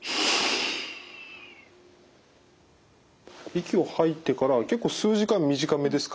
息を吐いてから結構吸う時間短めですか？